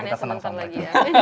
karena kita seneng seneng lagi